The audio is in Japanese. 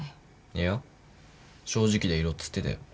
いや正直でいろっつってたよ。